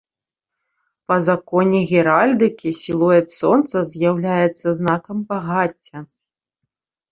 Па законе геральдыкі, сілуэт сонца з'яўляецца знакам багацця.